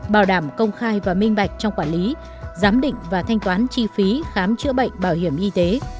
bảo đảm công khai và minh bạch trong quản lý giám định và thanh toán chi phí khám chữa bệnh bảo hiểm y tế